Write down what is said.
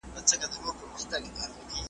په انارګل به ښکلی بهار وي .